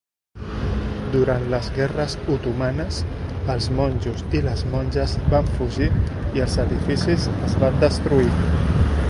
Durant les guerres otomanes, els monjos i les monges van fugir i els edificis es van destruir.